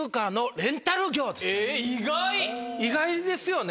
意外ですよね。